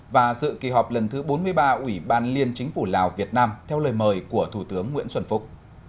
và dự kỳ họp lần thứ bốn mươi ba ủy ban liên chính phủ lào việt nam theo lời mời của thủ tướng nguyễn xuân phúc